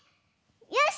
よし！